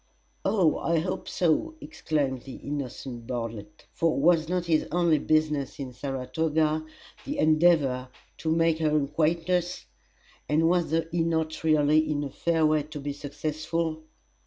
"Oh, I hope so!" exclaimed the innocent Bartlett. For was not his only business in Saratoga the endeavour to make her acquaintance? And was he not already in a fair way to be successful?